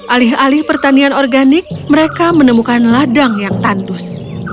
alih alih pertanian organik mereka menemukan ladang yang tandus